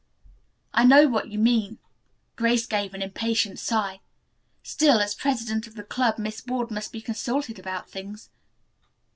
"I know what you mean." Grace gave an impatient sigh. "Still, as president of the club Miss Ward must be consulted about things.